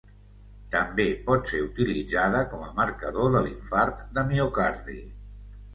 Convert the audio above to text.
També pot ser utilitzada com a marcador de l'infart de miocardi.